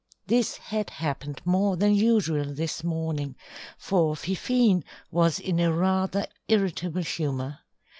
This had happened more than usual this morning, for Fifine was in a rather irritable humour.